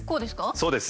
そうです。